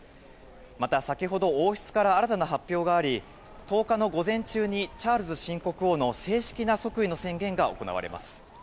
また先ほど王室から新たな発表があり１０日の午前中にチャールズ新国王の正式な即位の宣言が行われます。